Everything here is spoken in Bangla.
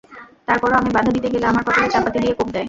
তারপরও আমি বাধা দিতে গেলে আমার কপালে চাপাতি দিয়ে কোপ দেয়।